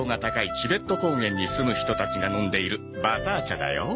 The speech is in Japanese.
チベット高原に住む人たちが飲んでいるバター茶だよ。